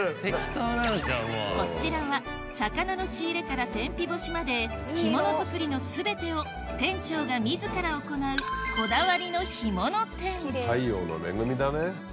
こちらは魚の仕入れから天日干しまで干物づくりの全てを店長が自ら行うこだわりの干物店太陽の恵みだね。